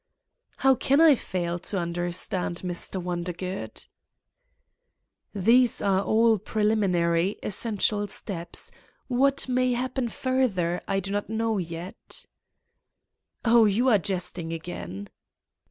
" "How can I fail to understand, Mr. Wonder good?" "These are all preliminary, essential steps. What may happen further ... I do not know yet." "Oh, you are jesting again?"